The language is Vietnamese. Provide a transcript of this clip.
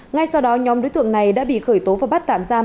ngay sau đó nhóm đối tượng này đã bị khởi tố và bắt tạm giam